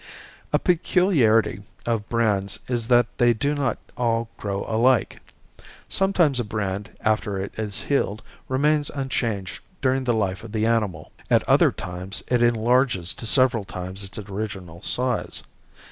A peculiarity of brands is that they do not all grow alike. Sometimes a brand, after it is healed, remains unchanged during the life of the animal. At other times it enlarges to several times its original size.